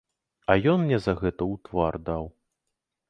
А ён мне за гэта ў твар даў.